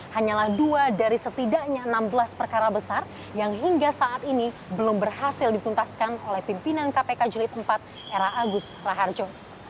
hanyalah dua dari setidaknya enam belas perkara besar yang hingga saat ini belum berhasil dituntaskan oleh pimpinan kpk jelit empat era agus raharjo